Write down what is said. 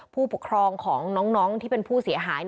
ผู้ปกครองของน้องที่เป็นผู้เสียหาย